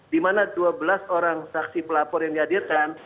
dimana dua belas orang saksi pelapor yang di hadirkan